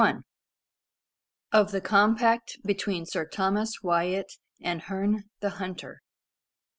Of the Compact between Sir Thomas Wyat and Herne the Hunter.